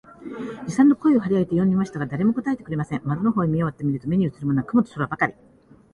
二三度声を張り上げて呼んでみましたが、誰も答えてくれません。窓の方へ目をやって見ると、目にうつるものは雲と空ばかり、